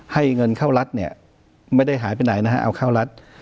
ให้เงินเข้ารัฐเนี่ยไม่ได้หายไปไหนนะฮะเอาเข้ารัฐ